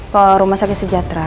ke rumah sakit sejahtera